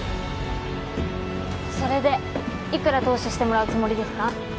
それでいくら投資してもらうつもりですか？